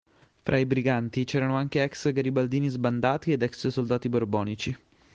Fra i briganti c'erano anche ex garibaldini sbandati ed ex soldati borbonici.